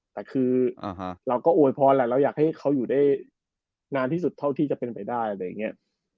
แต่คือเราก็อวยพรแหละเราอยากให้เขาอยู่ได้นานที่สุดเท่าที่จะเป็นไปได้อะไรอย่างนี้